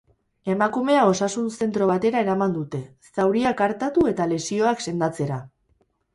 Emakumea osasun zentro batera eraman dute, zauriak artatu eta lesioak sendatzera.